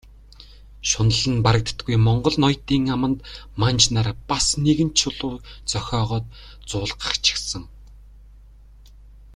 Шунал нь барагддаггүй монгол ноёдын аманд манж нар бас нэгэн чулуу зохиогоод зуулгачихсан.